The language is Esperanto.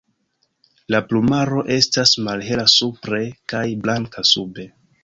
La plumaro estas malhela supre kaj blanka sube.